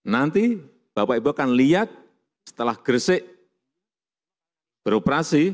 nanti bapak ibu akan lihat setelah gresik beroperasi